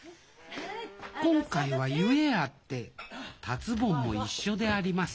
今回は故あって達ぼんも一緒であります